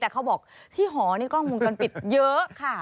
แต่เขาบอกที่หอนี่กล้องวงจรปิดเยอะค่ะ